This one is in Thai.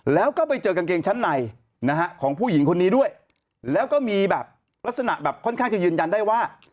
แล้วก็ไปเจอกางเกงชั้นในนะฮะของผู้หญิงคนนี้ด้วยแล้วก็มีแบบลักษณะแบบค่อนข้างจะยืนยันได้ว่า